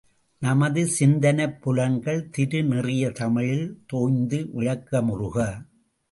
நமது சிந்தனைப் புலன்கள் திரு நெறிய தமிழில் தோய்ந்து விளக்கமுறுக!